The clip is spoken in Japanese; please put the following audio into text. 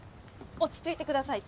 落ち着いてください